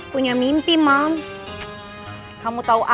bapak sebelas tahun